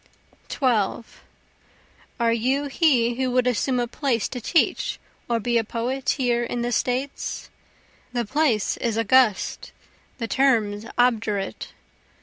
12 Are you he who would assume a place to teach or be a poet here in the States? The place is august, the terms obdurate.